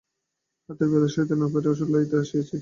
হাতের ব্যথা সহিতে না পারিয়া ওষুধ লইতে আসিয়াছে।